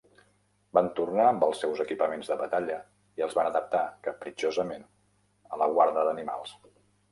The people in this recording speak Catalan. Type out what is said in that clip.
Van tornar amb els seus equipaments de batalla i els van adaptar, capritxosament, a la guarda d'animals.